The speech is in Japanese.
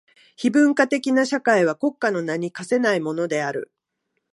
非文化的な社会は国家の名に価せないものである。